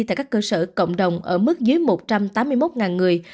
tại các cơ sở cộng đồng ở mức dưới một trăm tám mươi một người